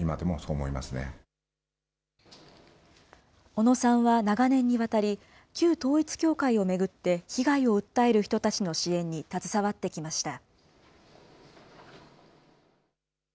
小野さんは長年にわたり、旧統一教会を巡って、被害を訴える人たちの支援に携わってきました。